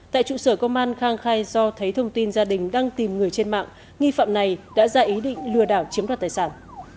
tại trụ sở công an khang khai do thấy thông tin gia đình đang tìm người trên mạng nghi phạm này đã ra ý định lừa đảo chiếm đoạt tài sản